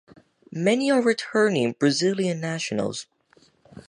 Many are returning Brazilian nationals.